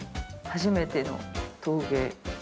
初めての陶芸。